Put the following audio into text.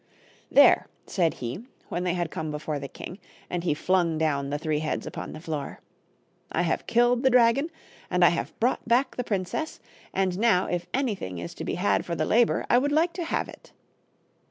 " There !" said he, when they had come before the king, and he flung down the three heads upon the floor, " I have killed the dragon and I have brought back the princess, and now if anything is to be had for the labor I would like to have it."